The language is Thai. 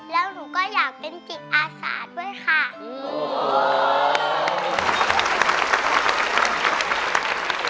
แล้วหนูก็อยากเป็นจิตอาสาด้วยค่ะอืม